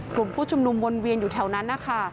กลุ่มผู้ชุมนุมวนเวียนอยู่แถวนั้นนะคะ